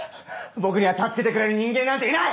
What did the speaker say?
僕には助けてくれる人間なんていない！